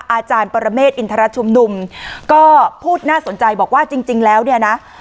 อาจารย์ปรเมฆอินทรชุมนุมก็พูดน่าสนใจบอกว่าจริงแล้วเนี่ยนะ